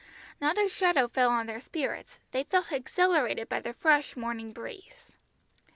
Not a shadow fell on their spirits, they felt exhilarated by the fresh morning breeze.